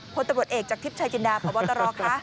พลตำรวจเอกจากทิพย์ชายจินดาพระวัตรรองค์